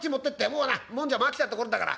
もうなもんじゃも飽きたところだから。